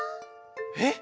えっ？